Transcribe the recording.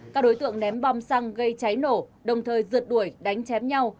các đối tượng ném bom xăng gây cháy nổ đồng thời rượt đuổi đánh chém nhau